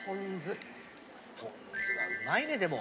ポン酢はうまいねでも。